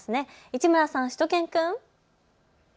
市村さん、しゅと犬くん。